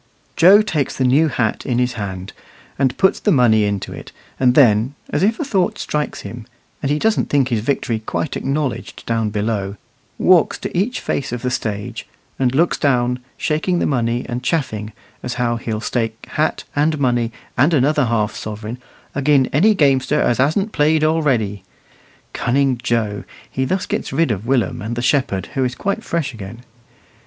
Joe takes the new hat in his hand, and puts the money into it, and then, as if a thought strikes him, and he doesn't think his victory quite acknowledged down below, walks to each face of the stage, and looks down, shaking the money, and chaffing, as how he'll stake hat and money and another half sovereign "agin any gamester as hasn't played already." Cunning Joe! he thus gets rid of Willum and the shepherd, who is quite fresh again.